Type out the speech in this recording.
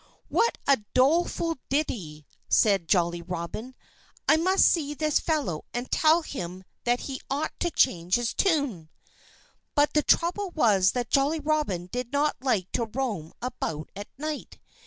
"What a doleful ditty!" said Jolly Robin. "I must see this fellow and tell him that he ought to change his tune." But the trouble was that Jolly Robin did not like to roam about at night.